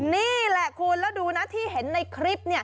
นี่แหละคุณและดูทีเห็นในคลิป